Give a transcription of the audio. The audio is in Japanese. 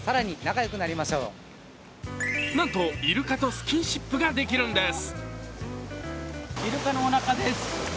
なんとイルカとスキンシップができるんです。